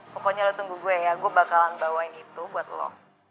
pokoknya lo tunggu gue ya gue bakalan bawain itu buat lo